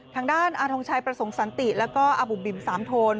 ทางด้านอาธงชัยประสงค์สัญติและอบุบิมสามโทน